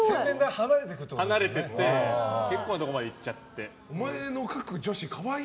離れていって結構なところまで行っちゃって。